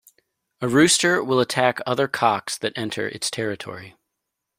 A rooster will attack other cocks that enter its territory.